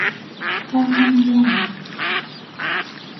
ランダムゲーム